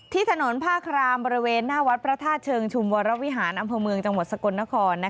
ที่ถนนผ้าครามบริเวณหน้าวัดพระธาตุเชิงชุมวรวิหารอำเภอเมืองจังหวัดสกลนคร